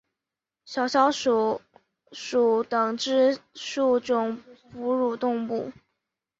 小啸鼠属等之数种哺乳动物。